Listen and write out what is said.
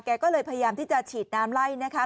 ก็เลยพยายามที่จะฉีดน้ำไล่นะคะ